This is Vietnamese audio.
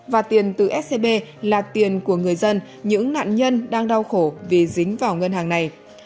và tiền từ scb là tiền của người dân những nạn nhân đang đau khổ vì dính vào ngân hàng này